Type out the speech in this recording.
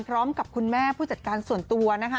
พร้อมกับคุณแม่ผู้จัดการส่วนตัวนะคะ